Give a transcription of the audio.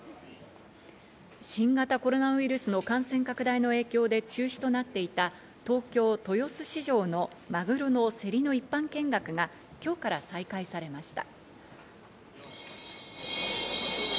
新型コロナウイルスの感染拡大の影響で中止となっていた東京・豊洲市場のマグロの競りの一般見学が今日から再開されました。